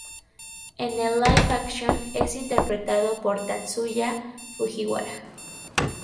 En el Live-Action es interpretado por Tatsuya Fujiwara.